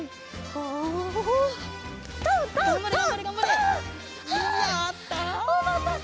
おまたせ！